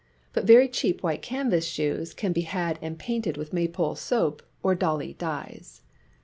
But very cheap white canvas shoes can be had and painted with Maypole soap or Dolly dyes.